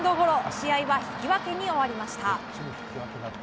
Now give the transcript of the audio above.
試合は引き分けに終わりました。